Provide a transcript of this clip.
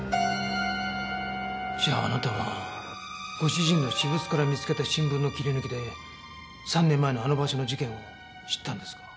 じゃああなたはご主人の私物から見つけた新聞の切り抜きで３年前のあの場所の事件を知ったんですか？